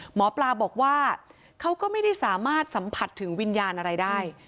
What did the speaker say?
หมอปลาบอกว่าเขาก็ไม่ได้สามารถสัมผัสถึงวิญญาณอะไรได้